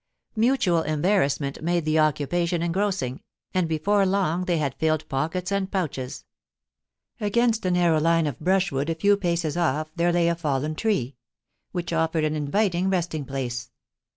Mutual embarrassment made the occupation engrossing, and before long they had filled pockets and pouches. Against a narrow line of brushwood a few paces off there lay a fallen tree, which offered an inviting resting place.